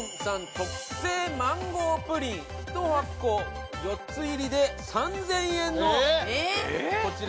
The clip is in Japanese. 特製マンゴープリン１箱４つ入りで３，０００円のこちら。